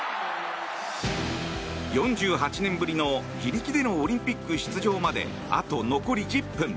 ４８年ぶりの自力でのオリンピック出場まであと残り１０分。